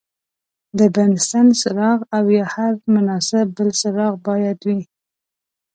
د بنسن څراغ او یا هر مناسب بل څراغ باید وي.